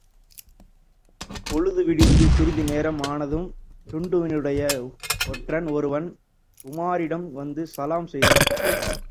பொழுது விடிந்து சிறிது நேரம் ஆனதும் டுன்டுவினுடைய ஒற்றன் ஒருவன், உமாரிடம் வந்து சலாம் செய்தான்.